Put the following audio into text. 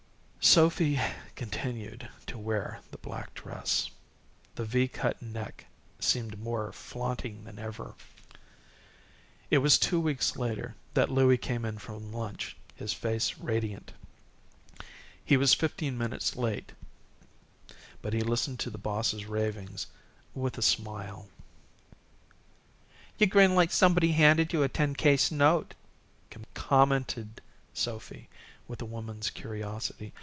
Sophy continued to wear the black dress. The V cut neck seemed more flaunting than ever. It was two weeks later that Louie came in from lunch, his face radiant. He was fifteen minutes late, but he listened to the boss's ravings with a smile. "You grin like somebody handed you a ten case note," commented Sophy, with a woman's curiosity.